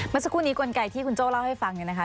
เมื่อสักครู่นี้กลไกที่คุณโจ้เล่าให้ฟังเนี่ยนะคะ